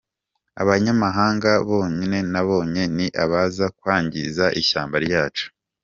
Abanyamahanga bonyine nabonye ni abaza kwangiza ishyamba ryacu.